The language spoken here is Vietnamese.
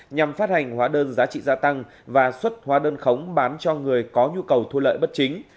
nhằm phát hành hóa đơn giá trị gia tăng và xuất hóa đơn khống bán cho người có nhu cầu thu lợi bất chính